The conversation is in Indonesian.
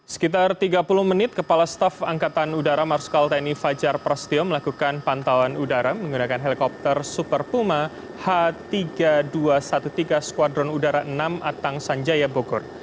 sekitar tiga puluh menit kepala staf angkatan udara marskal tni fajar prasetyo melakukan pantauan udara menggunakan helikopter super puma h tiga ribu dua ratus tiga belas skuadron udara enam atang sanjaya bogor